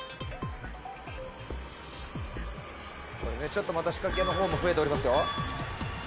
ちょっとまた仕掛けのほうも増えております。